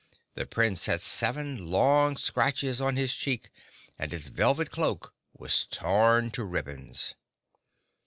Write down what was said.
The Prince had seven long scratches on his cheek and his velvet cloak was torn to ribbons.